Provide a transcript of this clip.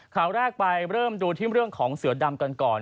ข่าวแรกไปเริ่มดูที่เรื่องของเสือดำกันก่อน